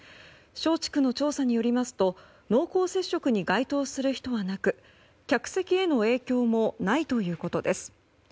松竹の調査によりますと濃厚接触に該当する人はなく、客席への影響もないということです。